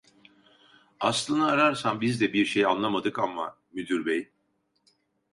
Aslını ararsan biz de bir şey anlamadık amma, müdür bey…